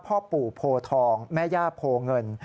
พ่อปู่โพทองแม่ย่าโพเงิน